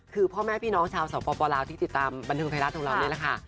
คือพ่อแม่พี่น้องชาวสปลาวที่ติดตามบันเทิงไทยรัฐของเรานี่แหละค่ะ